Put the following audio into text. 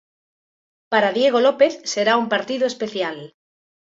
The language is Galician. Para Diego López será un partido especial.